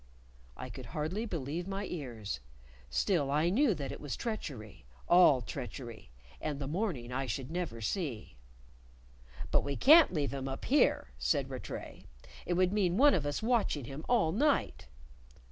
I could hardly believe my ears; still I knew that it was treachery, all treachery; and the morning I should never see. "But we can't leave him up here," said Rattray; "it would mean one of us watching him all night."